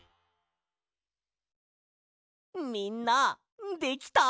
みんなできた？